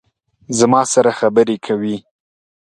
زما سره خبرې کوي